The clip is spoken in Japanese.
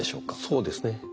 そうですね。